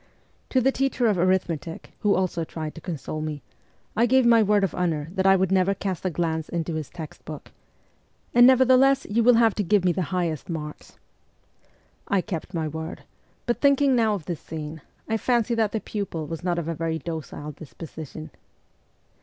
To the teacher of arithmetic, who also tried to console me, I gave my word of honour that I would never cast a glance into his textbook ;' and never THE CORPS OF PAGES 85 theless you will have to give me the highest marks.' I kept my word ; but thinking now of this scene, I fancy that the pupil was not of a very docile dis position.